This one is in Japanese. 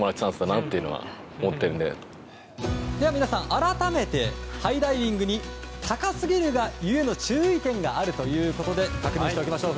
改めてハイダイビングに高すぎるが故の注意点があるということで確認しておきましょう。